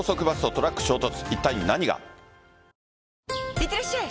いってらっしゃい！